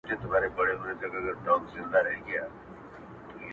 د بشريت له روحه وباسه ته;